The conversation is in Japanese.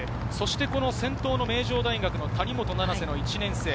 先頭の名城の谷本七星、１年生。